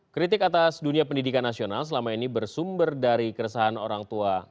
kritik atas dunia pendidikan nasional selama ini bersumber dari keresahan orang tua